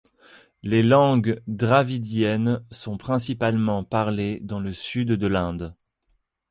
Les langues dravidiennes sont principalement parlées dans le sud de l'Inde.